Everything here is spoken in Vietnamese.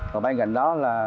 còn bên gần đó là